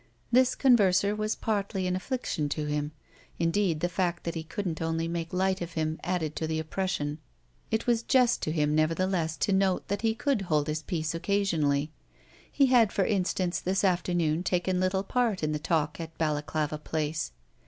This converser was partly an affliction to him; indeed the fact that he couldn't only make light of him added to the oppression. It was just to him nevertheless to note that he could hold his peace occasionally: he had for instance this afternoon taken little part in the talk at Balaklava Place.